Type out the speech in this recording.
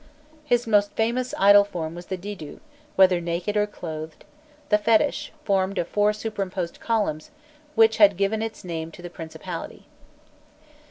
His most famous idol form was the Didû, whether naked or clothed, the fetish, formed of four superimposed columns, which had given its name to the principality.